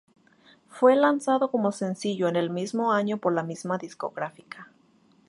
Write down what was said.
Fue lanzado como sencillo en el mismo año por la misma discográfica.